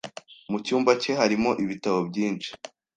Mu cyumba cye harimo ibitabo byinshi.